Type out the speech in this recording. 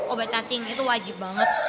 obat cacing itu wajib banget